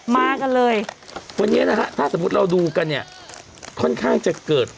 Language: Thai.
มากันเลยวันนี้นะฮะถ้าสมมุติเราดูกันเนี่ยค่อนข้างจะเกิด